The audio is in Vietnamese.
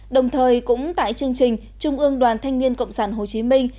đồng thời cũng tại chương trình trung ương đoàn thanh niên cộng sản hồ chí minh